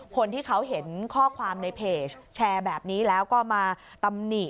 คนที่เขาเห็นข้อความในเพจแชร์แบบนี้แล้วก็มาตำหนิ